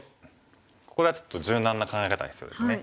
ここはちょっと柔軟な考え方が必要ですね。